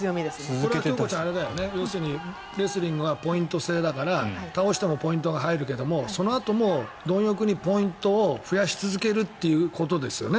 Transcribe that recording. これは京子ちゃんレスリングはポイント制だから倒してもポイントが入るけれどそのあともどん欲にポイントを増やし続けるということですよね。